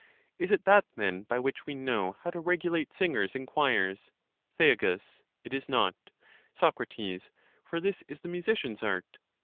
Is it that then, by which we know how to regulate singers in choirs ? Thea. It is not. Soc. For this is the musician's art.